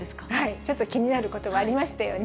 ちょっと気になることば、ありましたよね。